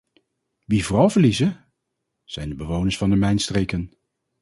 Wie vooral verliezen, zijn de bewoners van de mijnstreken.